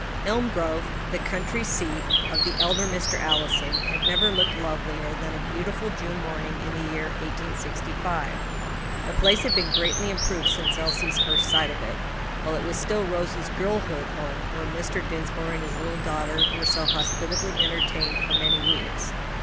Elmgrove, the country seat of the elder Mr. Allison, had never looked lovelier than on a beautiful June morning in the year 1865. The place had been greatly improved since Elsie's first sight of it, while it was still Rose's girlhood's home where Mr. Dinsmore and his little daughter were so hospitably entertained for many weeks.